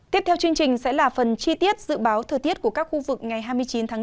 tiếp theo chương trình sẽ là phần chi tiết dự báo thời tiết của các khu vực ngày hai mươi chín tháng bốn